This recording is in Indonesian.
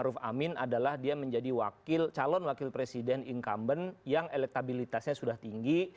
jokowi ini pak ammaruf amin adalah dia menjadi wakil calon wakil presiden incumbent yang elektabilitasnya sudah tinggi